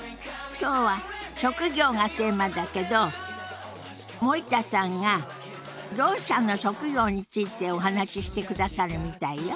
今日は「職業」がテーマだけど森田さんがろう者の職業についてお話ししてくださるみたいよ。